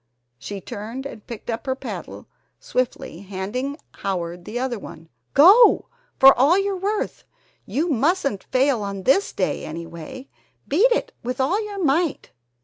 she turned and picked up her paddle swiftly, handing Howard the other one. "Go! For all your worth! You mustn't fail on this day anyway! Beat it with all your might!"